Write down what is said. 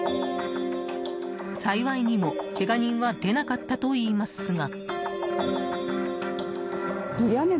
幸いにも、けが人は出なかったといいますが。